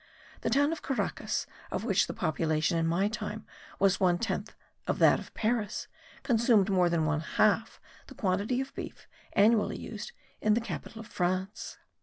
The town of Caracas, of which the population in my time was one tenth of that of Paris, consumed more than one half the quantity of beef annually used in the capital of France.